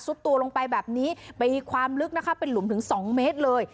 ตัวลงไปแบบนี้ไปความลึกนะคะเป็นหลุมถึงสองเมตรเลย